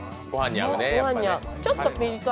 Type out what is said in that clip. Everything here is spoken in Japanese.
ちょっとピリ辛。